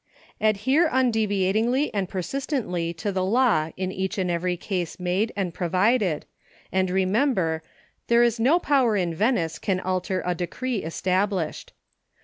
Adhere undeviatingly and persistently to the law in each and every case made and pro vided, and remember " there is no power in HINTS TO TYROS. 107 Venice can alter a decree established."